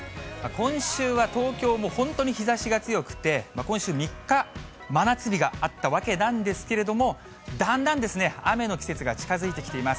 今週は東京も本当に日ざしが強くて、今週３日、真夏日があったわけなんですけれども、だんだん雨の季節が近づいてきています。